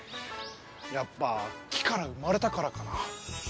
やっぱ木から生まれたからかなぁ。